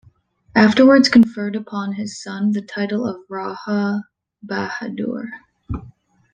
Afterwards conferred upon his son the title of Raja Bahadur.